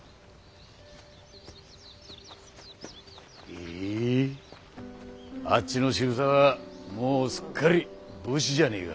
へえあっちの渋沢はもうすっかり武士じゃねえか。